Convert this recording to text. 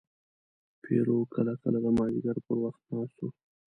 پیرو کله کله د مازدیګر پر وخت ناست و.